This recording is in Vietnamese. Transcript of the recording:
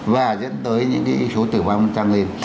và dẫn tới những cái số tử vong nó trăng lên